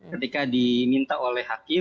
ketika diminta oleh hakim